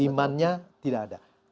dimannya tidak ada